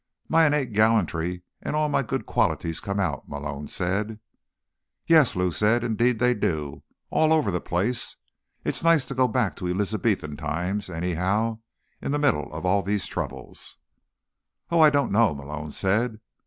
"My innate gallantry and all my good qualities come out," Malone said. "Yes," Lou said. "Indeed they do. All over the place. It's nice to go back to Elizabethan times, anyhow, in the middle of all these troubles." "Oh, I don't know," Malone said.